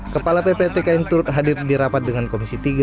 kepala ppatk yang turut hadir di rapat dengan komisi tiga